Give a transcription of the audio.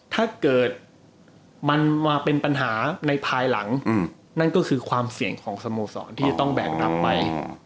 ถ้าเกิดมันมาเป็นปัญหาในภายหลังนั่นก็คือความเสี่ยงของสโมสรที่จะต้องแบกรับไป